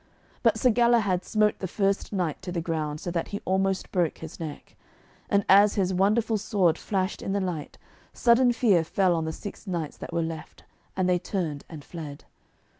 But Sir Galahad smote the first knight to the ground, so that he almost broke his neck. And as his wonderful sword flashed in the light, sudden fear fell on the six knights that were left, and they turned and fled.